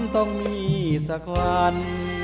ต้องมีสักวัน